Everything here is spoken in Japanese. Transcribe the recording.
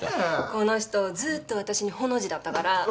この人ずっと私にホの字だったから。